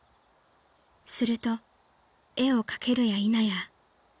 ［すると絵をかけるやいなや］